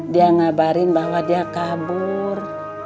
dia ngabarin bahwa dia kabur